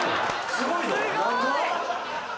すごいね。